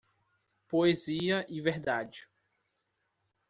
Poesia e verdade